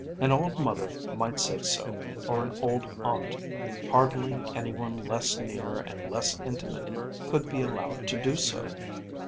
An old mother might say so, or an old aunt; hardly any one less near and less intimate could be allowed to do so.